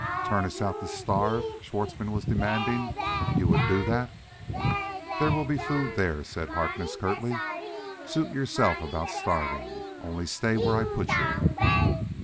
"Turn us out to starve?" Schwartzmann was demanding. "You would do that?" "There will be food there," said Harkness curtly: "suit yourself about starving. Only stay where I put you!"